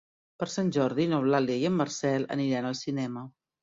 Per Sant Jordi n'Eulàlia i en Marcel aniran al cinema.